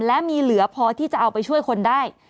และมีเหลือพอที่จะเอาไปช่วยคนได้